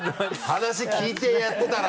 話聞いてやってたら。